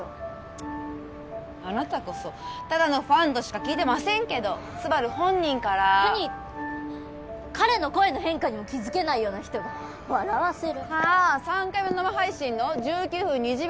チッあなたこそただのファンとしか聞いてませんけどスバル本人から何言って彼の声の変化にも気付けないような人が笑わせるあぁ３回目の生配信の１９分２０秒の話？